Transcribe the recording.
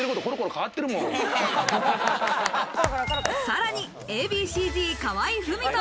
さらにＡ．Ｂ．Ｃ−Ｚの河合郁人。